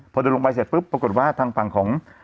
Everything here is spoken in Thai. พอเดินลงไปเสร็จปุ๊บปรากฏว่าทางฝั่งของ